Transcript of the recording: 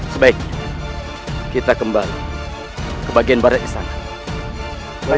sebaiknya kita kembali ke bagian barat istana